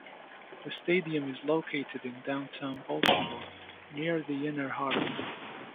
The stadium is located in downtown Baltimore, near the Inner Harbor.